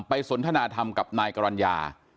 สนทนาธรรมกับนายกรรณญา